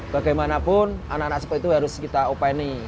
bagaimanapun anak anak spr itu harus kita openi